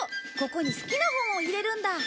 ここに好きな本を入れるんだ。